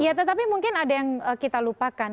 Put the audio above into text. ya tetapi mungkin ada yang kita lupakan